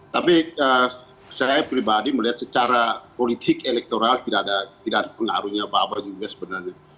tapi saya pribadi melihat secara politik elektoral tidak ada pengaruhnya apa apa juga sebenarnya